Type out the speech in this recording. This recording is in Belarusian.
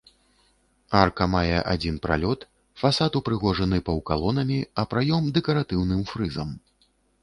Арка мае адзін пралёт, фасад упрыгожаны паўкалонамі, а праём дэкаратыўным фрызам.